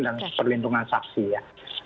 dan perlindungan saksi ya